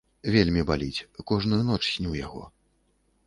Вельмі баліць, кожную ноч сню яго.